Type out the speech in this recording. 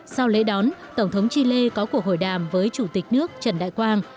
sau lễ đón tổng thống chile có cuộc hội đàm với chủ tịch nước trần đại quang